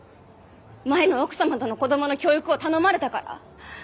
前の奥様との子供の教育を頼まれたから？